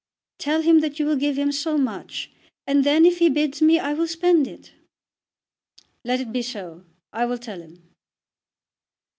"Tell him that you will give him so much, and then, if he bids me, I will spend it." "Let it be so. I will tell him."